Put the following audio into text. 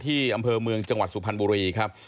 อำเภอเมืองจังหวัดสุพรรณบุรีครับ